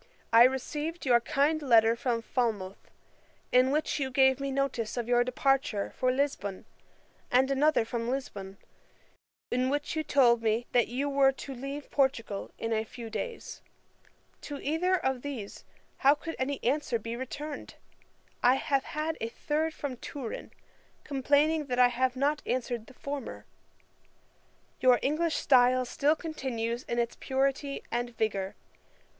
I received your kind letter from Falmouth, in which you gave me notice of your departure for Lisbon, and another from Lisbon, in which you told me, that you were to leave Portugal in a few days. To either of these how could any answer be returned? I have had a third from Turin, complaining that I have not answered the former. Your English style still continues in its purity and vigour.